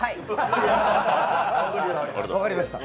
分かりました。